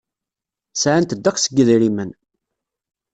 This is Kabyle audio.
Sɛant ddeqs n yedrimen.